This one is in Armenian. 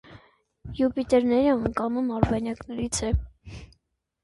Յուպիտերի անկանոն արբանյակներից է։